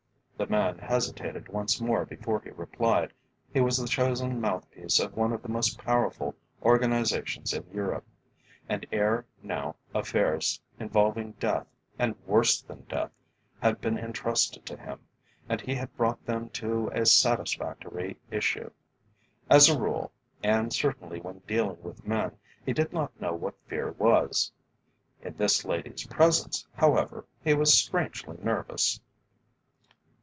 The man hesitated once more before he replied. He was the chosen mouth piece of one of the most powerful organisations in Europe, and ere now affairs involving death, and worse than death, had been entrusted to him, and he had brought them to a satisfactory issue. As a rule, and certainly when dealing with men, he did not know what fear was. In this lady's presence, however, he was strangely nervous.